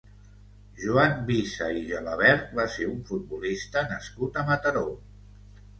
Joan Visa i Gelabert va ser un futbolista nascut a Mataró.